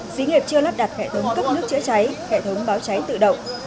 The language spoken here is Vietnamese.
xí nghiệp chưa lắp đặt hệ thống cấp nước chữa cháy hệ thống báo cháy tự động